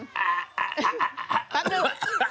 พักดู